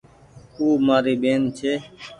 او مآري ٻين ڇي۔